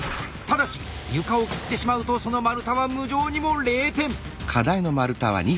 ただし床を切ってしまうとその丸太は無情にも０点。